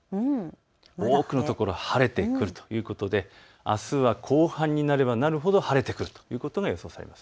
多くの所晴れてくるということであすは後半になればなるほど晴れてくるということが予想されます。